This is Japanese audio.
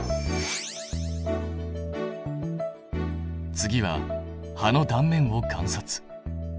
次は葉の断面を観察。